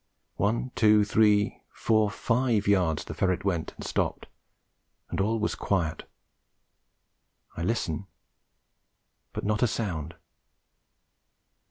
One, two, three, four, five yards the ferret went and stopped, and all was quiet. I listen, but not a sound.